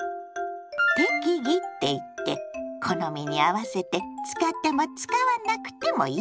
「適宜」っていって好みに合わせて使っても使わなくてもいいってこと。